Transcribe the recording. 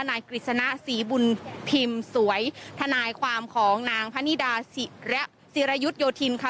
นายกริจนาศีบุญพิมพ์สวยทนายความของนางพนิดาศิรายุทย์โยธินค่ะ